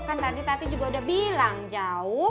kan tadi tati juga udah bilang jauh